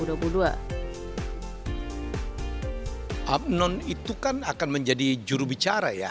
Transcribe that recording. abnone itu kan akan menjadi juru bicara ya